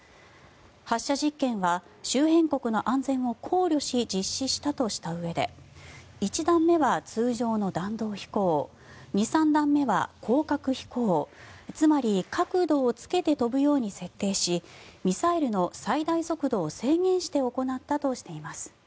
発射実験は周辺国の安全を考慮し発射したということで１段目は通常の弾道飛行２、３段目は高角飛行つまり、角度をつけて飛ぶように設定しミサイルの最大速度を制限して行ったとしています。